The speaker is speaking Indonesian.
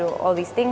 ini adalah hal yang